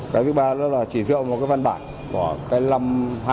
cái thứ ba đó là chỉ dựa một cái văn bản của cái năm hai nghìn một mươi một